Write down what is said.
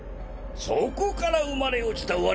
そこから生まれ落ちた